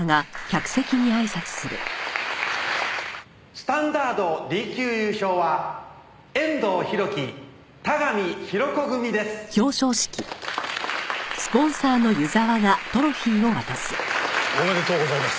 「スタンダードＤ級優勝は遠藤博喜田上浩子組です」おめでとうございます。